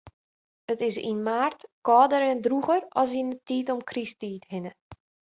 It is yn maart kâlder en drûger as yn 'e tiid om Krysttiid hinne.